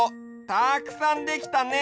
たくさんできたね！